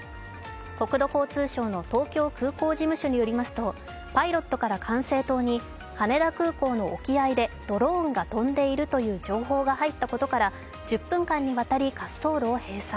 国土交通省の東京空港事務所によりますとパイロットから管制塔に羽田空港の沖合でドローンが飛んでいるという情報が入ったことから１０分間にわたり滑走路を閉鎖。